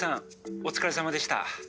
お疲れさまでした」。